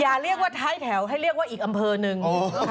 อย่าเรียกว่าท้ายแถวให้เรียกว่าอีกอำเภอหนึ่ง